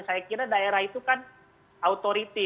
saya kira daerah itu kan authority